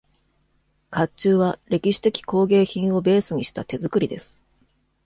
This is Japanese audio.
甲冑は歴史的工芸品をベースにした手作りです。